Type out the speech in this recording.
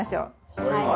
はい。